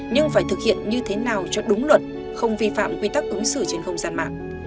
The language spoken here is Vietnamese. nhưng phải thực hiện như thế nào cho đúng luật không vi phạm quy tắc ứng xử trên không gian mạng